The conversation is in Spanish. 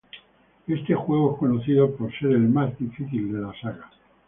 Este juego es conocido por ser el más difícil de la saga.